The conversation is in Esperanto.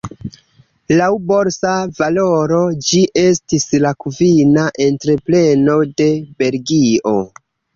Laŭ borsa valoro ĝi estis la kvina entrepreno de Belgio.